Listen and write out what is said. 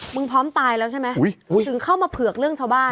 พร้อมตายแล้วใช่ไหมถึงเข้ามาเผือกเรื่องชาวบ้าน